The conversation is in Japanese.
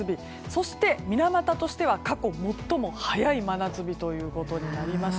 そして、水俣としては過去最も早い真夏日となりました。